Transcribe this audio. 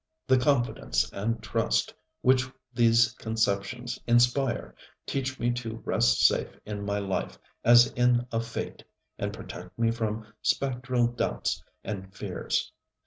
The confidence and trust which these conceptions inspire teach me to rest safe in my life as in a fate, and protect me from spectral doubts and fears.